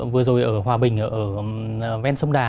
vừa rồi ở hòa bình ở ven sông đà